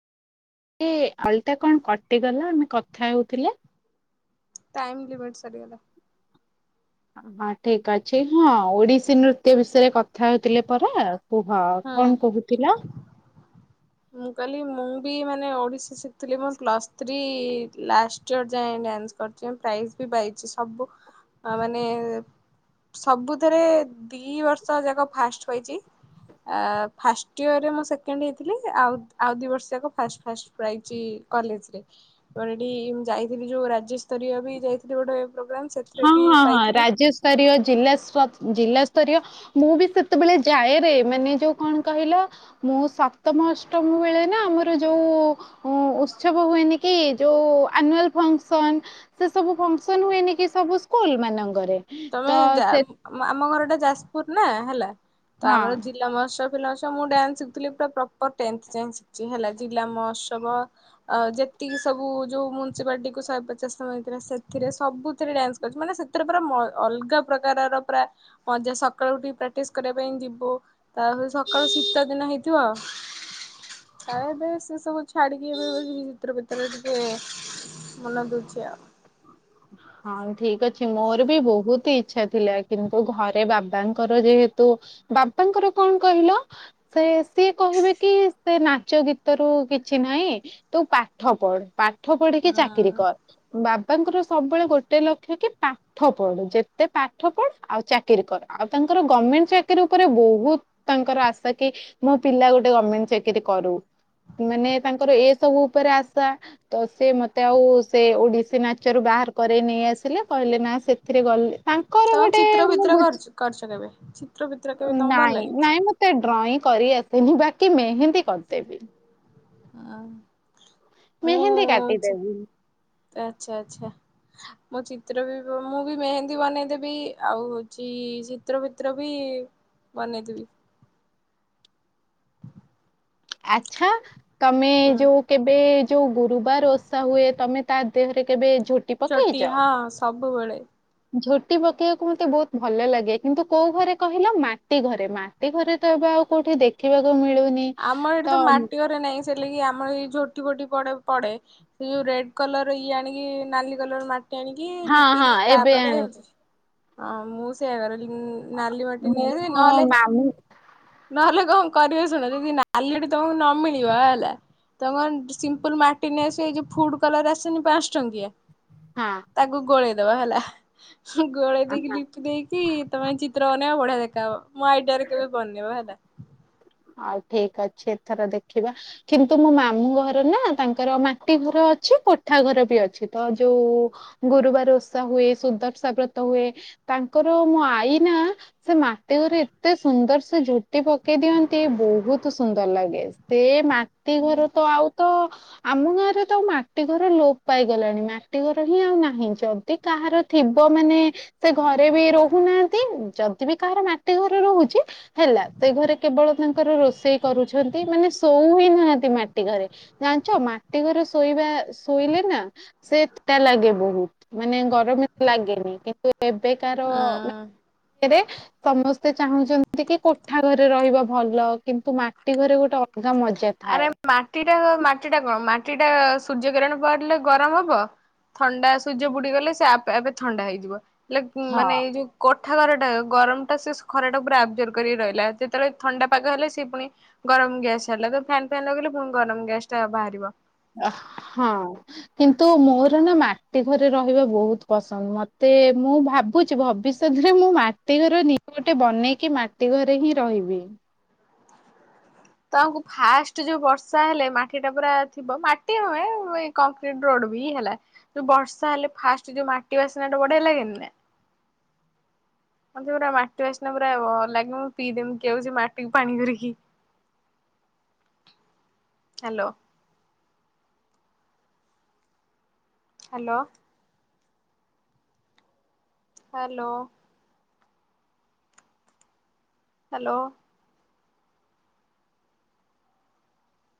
ଏ ଅଲ୍ଟା କଣ କଟିଗଲା ଆମେ କଥା ହେଉଥିଲେ? ଟାଇମ୍ ଲିମିଟ୍ ସରିଗଲା। ହଁ ଠିକ୍ ଅଛି ହଁ ଓଡିଶୀ ନୃତ୍ୟ ବିଷୟରେ କଥା ହଉଥିଲେ ପରା। କୁହ ହଁ। କଣ କହୁଥିଲ? ମୁଁ କଇଲି ମୁଁ ବି ମାନେ ଓଡିଶୀ ଶିଖଥିଲି ମୁଁ ପ୍ଲସ୍ ଥ୍ରୀ ଲାଷ୍ଟ ଇୟର ଯାଏ ଡ୍ୟାନ୍ସ କରିଛି ପ୍ରାଇଜ୍ ବି ପାଇଛି ସବୁ ଅ ମାନେ ସବୁଥେରେ ଦି ବର୍ଷ ଯାକ ଫାଷ୍ଟ ପାଇଛି। ଆ ଫାଷ୍ଟ ଇୟରରେ ମୁଁ ସେକେଣ୍ଡ ହେଇଥିଲି। ଆ ଆଉ ଦି ବର୍ଷଯାକ ଫା ଫାଷ୍ଟ ପ୍ରାଇଜ ପାଇଚି କଲେଜରେ। ପରେ ଏଠି ଯାଇଥିଲି ଯୋଉ ରାଜ୍ୟସ୍ତରୀୟ ବି ଯାଇଥିଲି ଗୋଟେ ପ୍ରୋଗ୍ରାମ ସେ ହଁ ହଁ ହଁ ରାଜ୍ୟସ୍ତରୀୟ ଜିଲ୍ଲା ଶ୍ରତ ଜିଲ୍ଲା ସ୍ତରୀୟ ମୁଁ ବି ସେତେବେଳେ ଯାଏରେ ମାନେ ଯୋଉ କଣ କହିଲ ମୁଁ ସପ୍ତମ ଅଷ୍ଟମ ବେଳେ ନା ଆମର ଯୋଉ ଉଁ ଉତ୍ସବ ହୁଏନି କି ଯୋଉ ଆନୁଆଲ୍ ଫଙ୍କସନ୍ ସେ ସବୁ ଫଙ୍କସନ୍ ହୁଏନି କି ସବୁ ସ୍କୁଲ୍ ମାନଙ୍କରେ ତମେ ତ ଯା ସେ ଆମ ଘରଟା ଯାଜପୁର ନା ହେଲା ତ ହଁ ଆମର ଜିଲ୍ଲା ମହୋତ୍ସବ ପିଲାଙ୍କ ସହ ମୁଁ ଡାନ୍ସ ଶିଖଥିଲି ପୁରା ପ୍ରପର୍ ଟେଂଥ ଯାଏଁ ଶିଖଛି ହେଲା ଜିଲ୍ଲା ମହୋତ୍ସବ ଆ ଯେତିକି ସବୁ ଯୋଉ ମ୍ୟୁନ୍ସିପାଲିଟିକୁ ଶହେପଚାଶ ତମ ହେଇଥିଲା ସେଥିରେ ସବୁଥିରେ ଡାନ୍ସ ସେଠି ମାନେ ସେଥେରେ ପୁରା ମ ଅଲଗା ପ୍ରକାରର ପୁରା ମଜା ସକାଳୁ ଉଠିକି ପ୍ରାଟିସ କରିବା ପାଇଁ ଯିବୁ। ତାପରେ ସକାଳୁ ଶୀତଦିନ ହେଇଥିବ ଆ ଏବେ ସେ ସବୁ ଛାଡିକି ଏବେ ଭିତ୍ରେ ଭିତେରେ ଟିକେ ମନ ଦଉଛି ଆଉ। ହଁ ଠିକ୍ ଅଛି ମୋର ବି ବହୁତ ଇଚ ଇଛା ଥିଲା କିନ୍ତୁ ଘରେ ବାବାଙ୍କର ଯେହେତୁ ବାବାଙ୍କର କଣ କହିଲ? ସେ ସିଏ କହିବେ କି ସେ ନାଚ ଗୀତରୁ କିଛି ନାହିଁ ତୁ ପାଠ ପଢ ପାଠ ପଢିକି ହୁଁ ଚାକିରି କର ବାବାଙ୍କର ସବୁବେଳେ ଗୋଟେ ଲକ୍ଷ କି ପା ଠ ପଢ ଯେତେ ପାଠ ପଢ ଆଉ ଚାକିରୀ କର ଆଉ ତାଙ୍କର ଗମେଣ୍ଟ ଚାକିରୀ ଉପରେ ବହୁତ ତାଙ୍କର ଆଶା କି ମୋ ପିଲା ଗୋଟେ ଗମେଣ୍ଟ ଚାକିରୀ କରୁ। ମାନେ ତାଙ୍କର ଏ ସବୁ ଉପରେ ଆଶା ତ ସେ ମତେ ଆଉ ସେ ଓଡିଶୀ ନାଚରୁ ବାହାର କରେଇ ନେଇ ଆସିଲେ କହିଲେ ନା ସେଥିରେ ଗଲେ ତାଙ୍କ ତମେ ଚିତ୍ର ଫିତ୍ର କରିଚ କରିଚ କେବେ ଚିତ୍ର ଫିତ୍ର କେବେ ତମକୁ ଭଲ ନାଇଁ ଲାଗେ? ନାଇଁ ମତେ ଡ୍ରଇଂ କରି ଆସେନି ବାକି ମେହନ୍ଦୀ କରିଦେବି। ଅ ହ। ମେହେନ୍ଦୀ କାଟିଦେବି। ଆଚ୍ଛା ଆଚ୍ଛା। ମୁଁ ଚିତ୍ର ବି ମୁଁ ବି ମେହେନ୍ଦୀ ବନେଇଦେବି ଆଉ ହଉଛି ଚିତ୍ର ଫିତ୍ର ବି ବନେଇଦେବି। ଆଚ୍ଛା ତମେ ହୁଁ ଯୋଉ କେବେ ଯୋଉ ଗୁରୁବାର ଓଷା ହୁଏ ତମେ ତା ଦେହରେ କେବେ ଝୋ ଛୋଟି ହଁ ସବୁବେଳେ। ଝୋଟି ପକେଇବାକୁ ମତେ ବହୁତ ଭଲ ଲାଗେ କିନ୍ତୁ କୋଉ ଘରେ କହିଲ ମାଟି ଘରେ। ମା ଟି ଘରେ ତ ଏବେ ଆଉ କୋଉଠି ଦେଖିବାକୁ ମିଳୁନି। ଆମର ଏଇଠି ତ ମାଟି ଘରେ ନାହିଁ ସେଥିଲାଗି ଆମର ଏଇ ଝୋଟି ଫୋଟି ପଡେ। ସେ ଯୋଉ ରେଡ୍ କଲର ର ଇଏ ଆଣିକି ନାଲି କଲର ମାଟି ଆଣିକି କି ହଁ ହଁ ଲିପିକି ଏବେ ତାପରେ ଆଣିବି ହୋଉଛି ନାଲି ମାଟି ନେଇଆସିବେ ମୋ ନହେଲେ ମାମୁଁ ନହେଲେ କଣ କରିବେ। ଶୁଣ ଯଦି ନାଲି ତମକୁ ନ ମିଳିବ ହେଲା। ତମର ସିମ୍ପଲ ମାଟିନେସ ହେଇକି ଫୁଡ କଲର ଆସିନି ପାଞ୍ଚ ଟଙ୍କିଆ। ହଁ। ତାକୁ ଗୋଳେଇଦବା ହେଲା ଗୋଳେଇ ଦେଇକି ଦେଇକି ତମେ ଚିତ୍ର ବନେଇବ ବଢିଆ ଦେଖା ହବ ମୋ ଆଇଡିଆରେ କେବେ ବନେଇବ ହେଲା। ଆଉ ଠିକ୍ ଅଛି ଏଥର ଦେଖିବା। କିନ୍ତୁ ମୋ ମାମୁଁ ଘର ନା ତାଙ୍କର ମାଟି ଘର ଅଛି କୋଠା ଘର ବି ଅଛି। ତ ଯୋଉ ଗୁରୁବାର ଓଷା ହୁଏ ସୁଦର୍ଶ ବ୍ରତ ହୁଏ। ତାଙ୍କର ମୋ ଆଈ ନା ସେ ମାଟି ଘରେ ଏତେ ସୁନ୍ଦର ସେ ଝୋଟି ପକେଇ ଦିଅନ୍ତି। ଟେ ବହୁତ ସୁନ୍ଦର ଲାଗେ ସେ ମାଟି ଘର ତ ଆଉ ତ ଆମ ଗାଁରେ ତ ଆଉ ମାଟି ଘର ଲୋପ ପାଇଗଲାଣି ମାଟି ଘର ହିଁ ଆଉ ନାହିଁ। ଯଦି ତାହାର ଥିବ ମାନେ ସେ ଘରେ ବି ରହୁନାହାନ୍ତି ଯଦି ବି କାହାର ମାଟି ଘରେ ରହୁଛି। ହେଲା ସେ ଘରେ କେବଳ ତାଙ୍କର ରୋଷେଇ କରୁଛନ୍ତି ମାନେ ଶୋଉ ହି ନାହାନ୍ତି ମାଟି ଘରେ। ଜାଣିଛ ମାଟି ଘରେ ଶୋଇବା ଶୋଇଲେ ନା ସେଟା ଲାଗେ ବହୁତ ମାନେ ଗରମ ତ ଲାଗେନି କିନ୍ତୁ ଏବେକାର ଅଁ ସମସ୍ତେ ଚାହୁଁଛନ୍ତି କି କୋଠା ଘରେ ରହିବା ଭଲ କିନ୍ତୁ ମାଟି ଘରେ ଗୋଟେ ଅଲଗା ମଜା। ଆରେ ଥାଏ। ମାଟିଟା ମାଟି ଟା କଣ ମାଟି ଟା ସୂର୍ଯ୍ୟ କିିରଣ ପଡିଲେ ଗରମ ହବ। ଥଣ୍ଡା ସୂର୍ଯ୍ୟ ବୁଡିଗଲେ ସେ ଆପେ ଆପେ ଥଣ୍ଡା ହେଇଯିବ ହେଲେ ହଁ ମାନେ ଏଇ ଯୋଉ କୋଠା ଘରଟା ଗରମଟା ସେ ଖରାଟା ପୁରା ଆବଜର୍ଭ କରିକି ରହିଲା ଯେତେବେଳେ ଥଣ୍ଡା ପାଗ ହେଲେ ସେ ପୁଣି ଗରମ ଗ୍ୟାସ ହେଲା ତ ଫ୍ୟାନ୍ ଫ୍ୟାନ୍ ଲଗେଇଲେ ପୁଣି ଗରମ ଗ୍ୟାସ୍ ଟା ବାହାରିବ। ଅ ହଁ। କିନ୍ତୁ ମୋର ନା ମାଟି ଘରେ ରହିବା ବହୁତ ପସନ୍ଦ ମତେ ମୁଁ ଭାବୁଛି ଭବିଷ୍ ସେଥିରେ ମୁଁ ମାଟି ଘର ନି ଗୋଟେ ବନେଇକି ମାଟି ଘରେ ହିଁ ରହିବି। ତଙ୍କୁ ଫାଷ୍ଟ ଯୋଉ ବର୍ଷା ହେଲେ ମାଟି ଟା ପୁରା ଥିବ ମାଟି ହମେ କଂକ୍ରିଟ ରୋଡ ବି ହେଲା ଯୋଉ ବର୍ଷା ହେଲେ ଫାଷ୍ଟ ଯୋଉ ମାଟି ବାସ୍ନା ଟା ବଢିଆ ଲାଗେନିନା। ମତେ ପୁରା ମାଟି ବାସ୍ନା ପୁରା ଲାଗିବ ମୁଁ ପିଇଦେମି କି ଆଉଛି ମାଟିକୁ ପାଣି କରିକି। ହ୍ୟାଲୋ। ହ୍ୟାଲୋ। ହ୍ୟାଲୋ। ହ୍ୟାଲୋ।